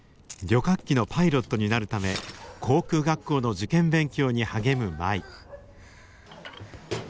旅客機のパイロットになるため航空学校の受験勉強に励む舞。